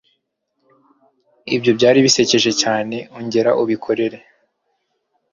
Ibyo byari bisekeje cyane. Ongera ubikore!